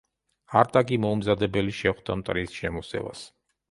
არტაგი მოუმზადებელი შეხვდა მტრის შემოსევას.